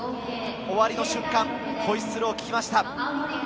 終わりの瞬間、ホイッスルを聞きました。